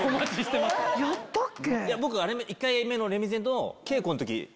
やったっけ？